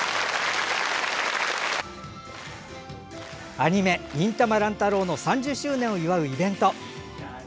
アニメ「忍たま乱太郎」の３０周年を祝うイベント。